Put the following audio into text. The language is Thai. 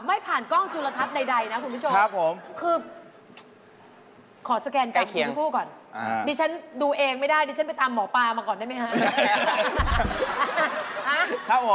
ไม่ผ่านกล้องจุลทัพใดนะคุณพี่โชกค่ะกับผมนะคะ